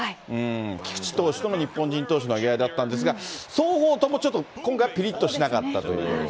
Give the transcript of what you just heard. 菊池投手とも、日本人投手との投げ合いだったんですが、双方ともちょっと今回、ぴりっとしなかったというね。